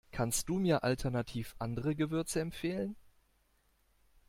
Kannst du mir alternativ andere Gewürze empfehlen?